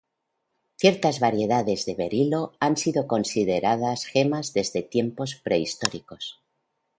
Ciertas variedades de berilo han sido consideradas gemas desde tiempos prehistóricos.